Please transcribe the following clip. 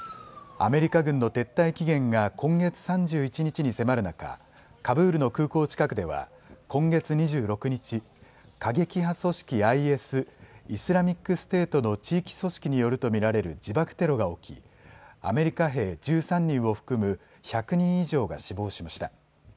アメリカ軍の撤退期限が今月３１日に迫る中、カブールの空港近くでは今月２６日、過激派組織ＩＳ・イスラミックステートの地域組織によると見られる自爆テロが起き、アメリカ兵１３人を含む１００人以上が死亡しました。